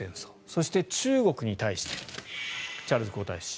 そして、中国に対してチャールズ皇太子。